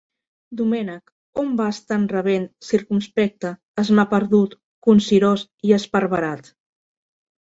Domènech, on vas tan rabent, circumspecte, esmaperdut, consirós i esparverat?